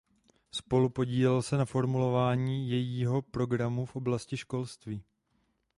Spolupodílel se na formulování jejího programu v oblasti školství.